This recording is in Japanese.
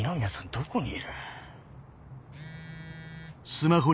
どこにいる？